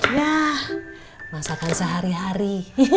yah masakan sehari hari